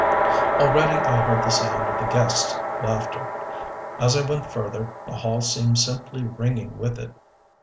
Already I heard the sound of the guests' laughter. As I went further the hall seemed simply ringing with it.